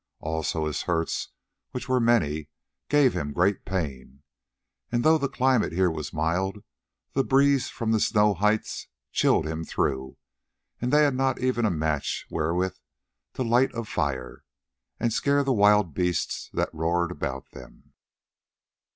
Also his hurts, which were many, gave him great pain, and though the climate here was mild, the breeze from the snow heights chilled him through, and they had not even a match wherewith to light a fire and scare the wild beasts that roared about them.